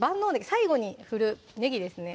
最後に振るねぎですね